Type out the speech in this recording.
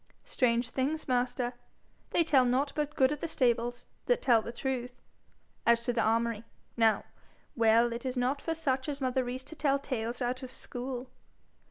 'Strange things, master? They tell nought but good of the stables that tell the truth. As to the armoury, now well it is not for such as mother Rees to tell tales out of school.'